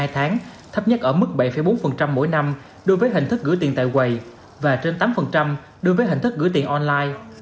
hai tháng thấp nhất ở mức bảy bốn mỗi năm đối với hình thức gửi tiền tại quầy và trên tám đối với hình thức gửi tiền online